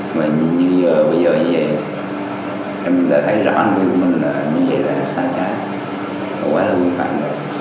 như bây giờ như vậy em đã thấy rằng mình như vậy là sai trái quá là nguy hiểm